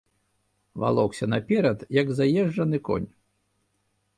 Валокся наперад, як заезджаны конь.